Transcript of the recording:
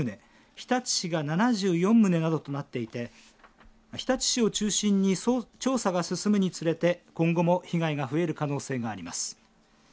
日立市が７４棟などとなっていて日立市を中心に調査が進むにつれて今後も被害が増える可能性があります。